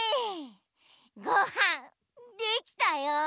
ごはんできたよ。